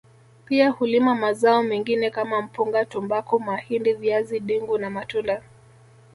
Pia hulima mazao mengine kama mpunga tumbaku mahindi viazi dengu na matunda